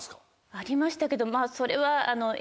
ありましたけどまぁそれは。